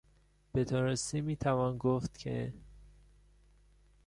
به درستی میتوان گفت که...